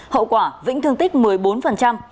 hậu quả vĩnh thương tích một mươi bốn